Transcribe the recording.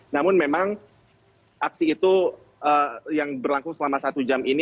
namun memang aksi itu yang berlangsung selama satu jam ini